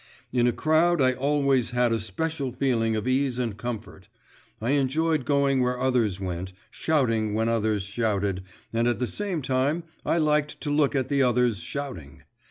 In a crowd I always had a special feeling of ease and comfort. I enjoyed going where others went, shouting when others shouted, and at the same time I liked to look at the others shouting.